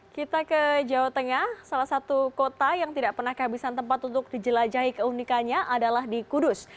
kita ke jawa tengah salah satu kota yang tidak pernah kehabisan tempat untuk dijelajahi keunikannya adalah di kudus